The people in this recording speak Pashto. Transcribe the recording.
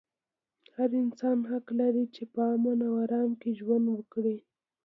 هر انسان حق لري چې په امن او ارام کې ژوند وکړي.